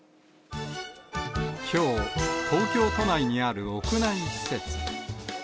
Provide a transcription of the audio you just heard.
きょう、東京都内にある屋内施設。